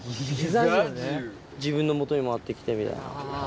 自分のもとに回ってきてみたいな。